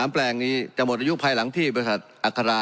แปลงนี้จะหมดอายุภายหลังที่บริษัทอัครา